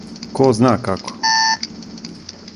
Ко зна како?